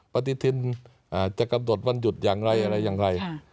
ปฏิทินจะกำหนดวันหยุดอย่างไรอะไรอย่างไร